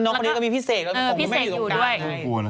น้องคนนี้ก็มีพี่เศกแล้วก็คงไม่อยู่ตรงกลาง